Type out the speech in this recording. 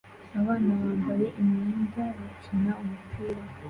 Abana bambaye imyenda bakina umupira